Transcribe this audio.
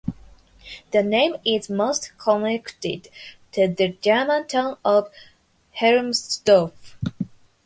The name is most connected to the German town of Helmsdorf.